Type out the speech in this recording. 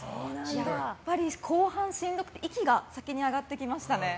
やっぱり後半しんどくて息が先に上がってきましたね。